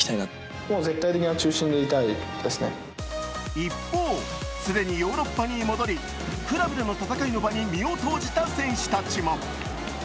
一方、既にヨーロッパに戻り、クラブでの戦いに身を投じた戦士たちも。